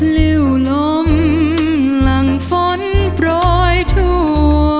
เลี่ยวลมหลังฝนปล่อยทั่ว